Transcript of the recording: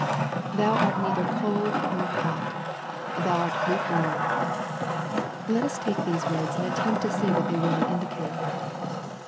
" Thou art neither cold nor hot ... thou art lukewarm." Let us take these words and attempt to see what they really indicate.